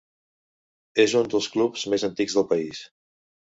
És un dels clubs més antics del país.